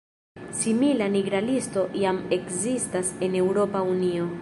Simila "nigra listo" jam ekzistas en Eŭropa Unio.